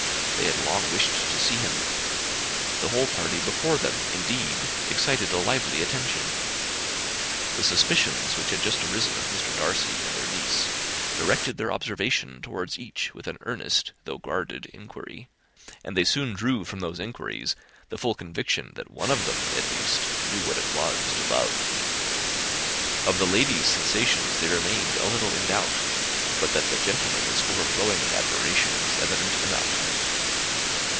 They had long wished to see him. The whole party before them, indeed, excited a lively attention. The suspicions which had just arisen of Mr. Darcy and their niece, directed their observation towards each with an earnest, though guarded, inquiry; and they soon drew from those inquiries the full conviction that one of them at least knew what it was to love. Of the lady's sensations they remained a little in doubt; but that the gentleman was overflowing with admiration was evident enough.